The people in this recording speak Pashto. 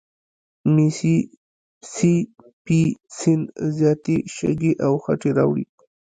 میسي سي پي سیند زیاتي شګې او خټې راوړي.